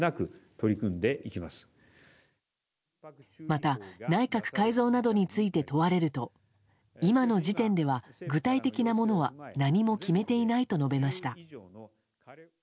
また、内閣改造などについて問われると今の時点では具体的なものは何も決めていないと述べました。